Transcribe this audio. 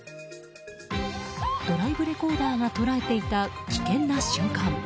ドライブレコーダーが捉えていた危険な瞬間。